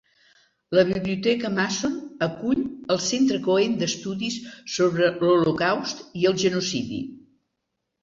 La Biblioteca Mason acull el Centre Cohen d'estudis sobre l'holocaust i el genocidi.